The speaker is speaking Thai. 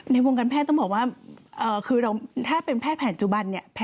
ในวงการแพทย์ต้องบอกว่าถ้าเป็นแพทย์แผนจุบัน